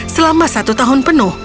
selama satu tahun penuh